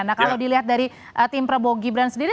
nah kalau dilihat dari tim prabowo gibran sendiri